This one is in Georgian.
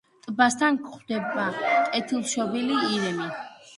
ტბასთან გვხვდება კეთილშობილი ირემი.